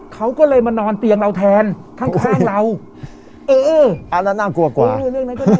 เขาก็เลยมานอนเตียงเราแทนข้างข้างเราเออเอออ่าแล้วน่ากลัวกว่าเออ